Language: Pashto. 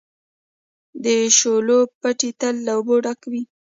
د شولو پټي تل له اوبو ډنډ وي.